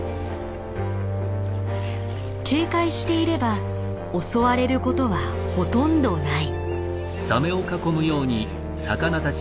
警戒していれば襲われることはほとんどない。